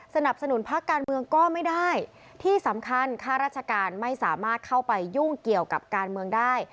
สนับสนุนพักการเมืองก็ไม่ได้ที่สำคัญค่าราชการไม่สามารถเข้าไปยุ่งเกี่ยวกับการเมืองได้